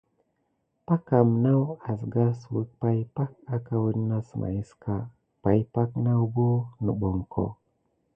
Packam naw asgassuwək pay pak aka wəne nasmaïska, pay pak nawbo nəɓoŋko.